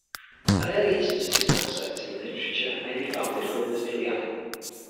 An early instance of this concept in literature may be found in Homer's "Iliad".